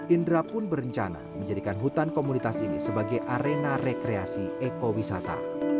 indra pun berencana menjadikan hutan komunitas ini sebagai arena rekreasi ekowisata